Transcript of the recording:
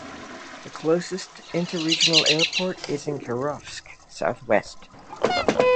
The closest interregional airport is in Kirovsk, southwest.